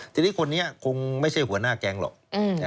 ทีนี้คนนี้คงไม่ใช่หัวหน้าแก๊งหรอก